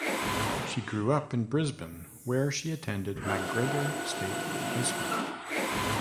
She grew up in Brisbane, where she attended MacGregor State High School.